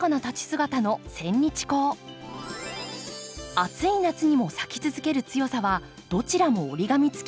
暑い夏にも咲き続ける強さはどちらも折り紙つき。